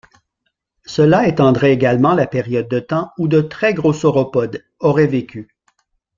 Cela étendrait également la période de temps où de très gros sauropodes auraient vécu.